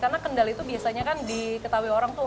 karena kendal itu biasanya kan diketahui orang tuh